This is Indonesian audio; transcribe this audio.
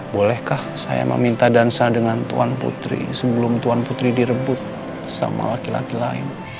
bolehkah saya meminta dansa dengan tuan putri sebelum tuan putri direbut sama laki laki lain